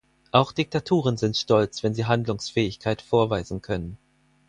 Auch Diktaturen sind stolz, wenn sie Handlungsfähigkeit vorweisen können.